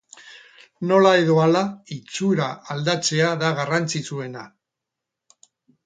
Nola edo hala itxura aldatzea da garrantzitsuena.